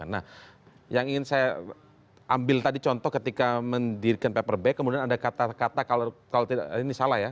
nah yang ingin saya ambil tadi contoh ketika mendirikan paper bag kemudian ada kata kata kalau tidak ini salah ya